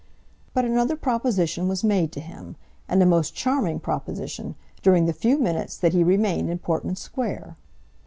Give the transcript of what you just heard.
But another proposition was made to him, and a most charming proposition, during the few minutes that he remained in Portman Square.